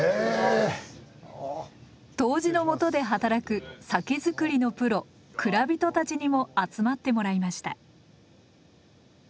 杜氏のもとで働く酒造りのプロ蔵人たちにも集まってもらいました。